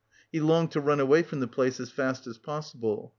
He longed to run away from the place as fast as possible.